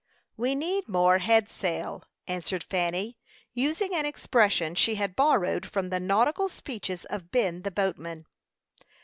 "We need more head sail," answered Fanny, using an expression she had borrowed from the nautical speeches of Ben, the boatman.